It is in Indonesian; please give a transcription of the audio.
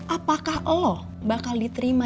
apakah lo bakal diterima